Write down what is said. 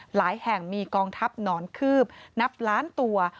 หลายแห่งมีกองทัพหนอนคืบนับล้านตัว